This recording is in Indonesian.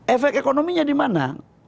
efek ekonominya di mana